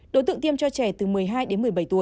đối tượng tiêm cho trẻ từ một mươi hai đến một mươi bảy tuổi